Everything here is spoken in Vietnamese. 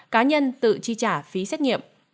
cá nhân tự chi trả phí xét nghiệm